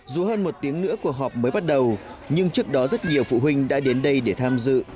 dù hơn một tiếng nữa cuộc họp mới bắt đầu nhưng trước đó rất nhiều phụ huynh đã đến đây để tham dự